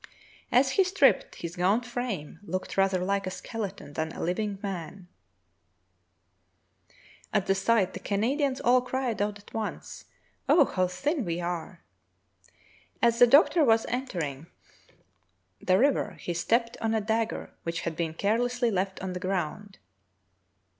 As he stripped his gaunt frame looked rather like a skeleton than a living man. At the sight the Canadians all cried out at once, Ah! que nous sommes maigres!" ("Oh! how thin we are!"). As the doctor was entering the 32 True Tales of Arctic Heroism river he stepped on a dagger which had been carelessly left on the ground.